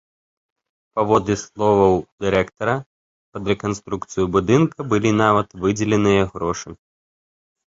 Паводле словаў дырэктара, пад рэканструкцыю будынка былі нават выдзеленыя грошы.